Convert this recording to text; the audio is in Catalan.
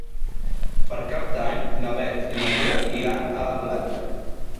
Per Cap d'Any na Beth i na Lia iran a la platja.